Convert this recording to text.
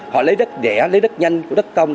họ lấy đất để lấy đất nhanh của đất công